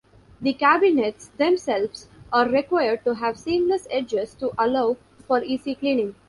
The cabinets themselves are required to have seamless edges to allow for easy cleaning.